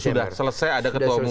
sudah selesai ada ketua umum